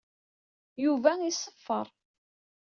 Yuba iṣeffer.